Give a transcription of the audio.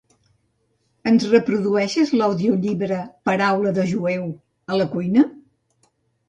Ens reprodueixes l'audiollibre "Paraula de jueu" a la cuina?